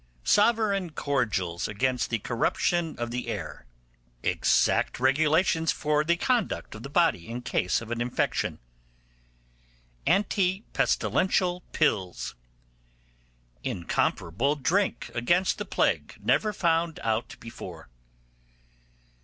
'Sovereign cordials against the corruption of the air.' 'Exact regulations for the conduct of the body in case of an infection.' 'Anti pestilential pills.' 'Incomparable drink against the plague, never found out before.